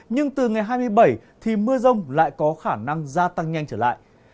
nhưng từ ngày hai mươi bảy thì mưa rông lại có khả năng gia tăng nhanh trở lại